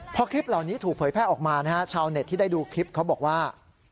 พอคลิปเหล่านี้ถูกเผยแพร่ออกมานะฮะชาวเน็ตที่ได้ดูคลิปเขาบอกว่า